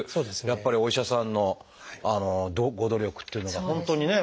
やっぱりお医者さんのご努力っていうのが本当にね